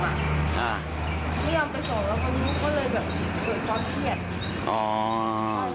พยายามไปสอบแล้วคราวนี้ก็เลยแบบเกิดความเครียดอ๋อ